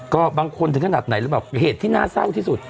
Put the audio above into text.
ก็บางคนถึงขนาดไหนแบบเหตุที่น่าเศร้าที่สุด